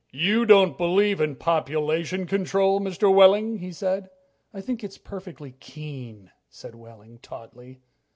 "You don't believe in population control, Mr. Wehling?" he said. "I think it's perfectly keen," said Wehling tautly.